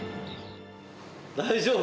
大丈夫？